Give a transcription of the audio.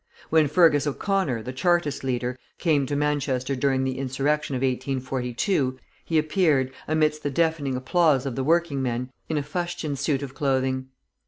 When Feargus O'Connor, the Chartist leader, came to Manchester during the insurrection of 1842, he appeared, amidst the deafening applause of the working men, in a fustian suit of clothing.